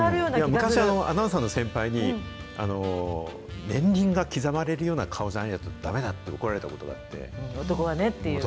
昔、アナウンサーの先輩に、年輪が刻まれるような顔じゃないとだめだって、男はねっていう。